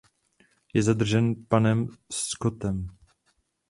Je zadržen panem Scottem.